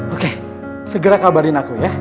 oke segera kabarin aku ya